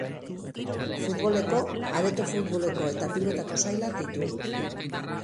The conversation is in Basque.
Futboleko, areto futboleko eta pilotako sailak ditu.